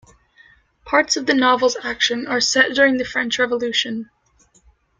Parts of the novel's action are set during the French Revolution.